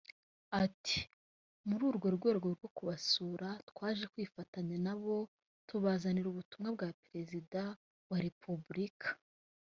Ati”Muri urwo rwego rwo kubasura twaje kwifatanya nabo tubazaniye ubutumwa bwa Perezida wa Repubulika